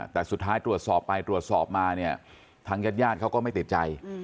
แต่สุดท้ายตรวจสอบไปตรวจสอบมาเนี่ยทางญาติญาติเขาก็ไม่ติดใจ